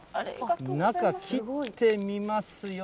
中、切ってみますよ。